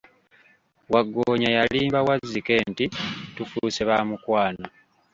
Waggoonya yalimba Wazzike nti, tufuuse ba mukwano.